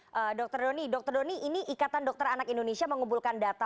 eee dokter doni dokter doni ini ikatan dokter anak indonesia mengumpulkan dokter